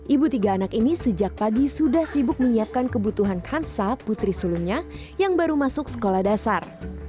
ibu tiga anak ini sejak pagi sudah sibuk menyiapkan kebutuhan kansa putri sulungnya yang baru masuk sekolah dasar